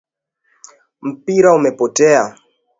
Mpira umepotea.